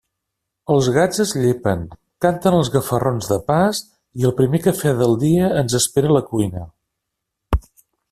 Els gats es llepen, canten els gafarrons de pas i el primer café del dia ens espera a la cuina.